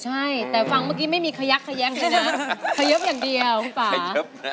ใช่แต่ฟังเมื่อกี้ไม่มีขยักขยักเลยนะขยบอย่างเดียวคุณป่า